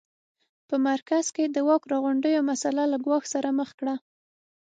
په مرکز کې د واک راغونډېدو مسٔله له ګواښ سره مخ کړه.